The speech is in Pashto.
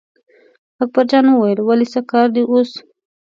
اکبرجان وویل ولې څه کار دی اوس.